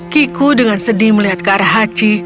kiku dengan sedih melihat ke arah haci